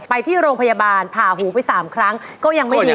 ไปที่โรงพยาบาลผ่าหูไป๓ครั้งก็ยังไม่ดี